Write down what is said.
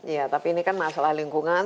iya tapi ini kan masalah lingkungan